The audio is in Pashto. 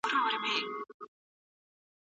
ډاکټران لومړی د ناروغۍ سبب معلوموي.